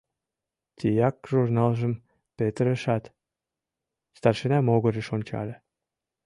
Тияк журналжым петырышат, старшина могырыш ончале.